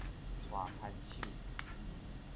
娶牽手